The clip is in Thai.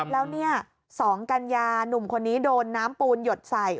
แล้วเนี่ย๒กัญญานุ่มคนนี้โดนน้ำปูนหยดใส่